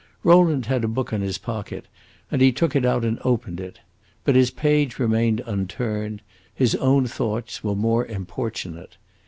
Rowland had a book in his pocket, and he took it out and opened it. But his page remained unturned; his own thoughts were more importunate.